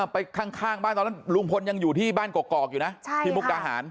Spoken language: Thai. ไปข้างบ้านตอนนั้นลุงพลยังอยู่ที่บ้านกอกอยู่นะที่มุกดาหาร